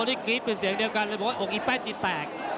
ได้กรี๊ดเป็นเสียงเดียวกันเลยบอกว่าอกอีแป้นจีแตก